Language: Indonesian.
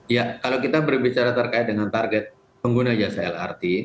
ya kalau kita berbicara terkait dengan target pengguna jasa lrt